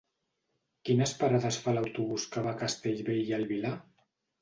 Quines parades fa l'autobús que va a Castellbell i el Vilar?